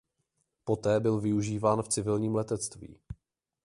Poté byl využíván v civilním letectví.